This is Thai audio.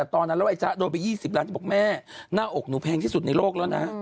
ตอนนั้นแล้วไอจ๊ะโดนไป๒๐ล้านจะบอกแม่หน้าอกหนูแพงที่สุดในโลกแล้วนะ